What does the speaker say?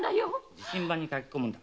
自身番に駆け込むんだ。